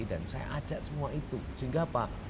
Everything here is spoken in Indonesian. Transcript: dan saya ajak semua itu sehingga